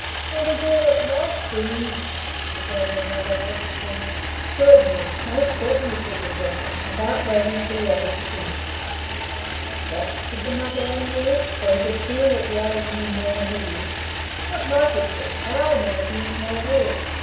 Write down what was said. "And again it might be " began the Mugger pettishly. "Certainly most certainly," said the Jackal, without waiting for the other to finish. "What?" said the Mugger angrily, for he could feel that the others knew more than he did. "What might it be? I never finished my words.